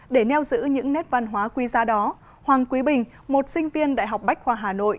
để neo giữ những nét văn hóa quý gia đó hoàng quý bình một sinh viên đại học bách khoa hà nội